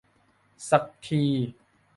สักที